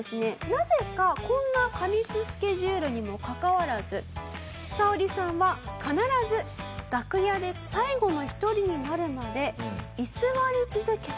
なぜかこんな過密スケジュールにもかかわらずサオリさんは必ず楽屋で最後の一人になるまで居座り続けた。